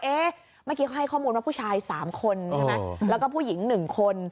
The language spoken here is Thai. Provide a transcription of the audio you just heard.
เมื่อกี้เขาให้ข้อมูลว่าผู้ชาย๓คนใช่ไหมแล้วก็ผู้หญิง๑คน